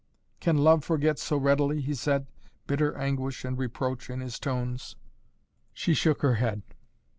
"Can love forget so readily?" he said, bitter anguish and reproach in his tones. She shook her head.